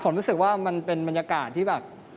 ผมรู้สึกว่ามันเป็นบรรยากาศที่แบบ